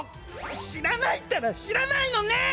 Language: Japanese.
知らないったら知らないのねん！